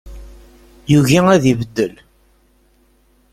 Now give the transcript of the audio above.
Yugi ad ibeddel.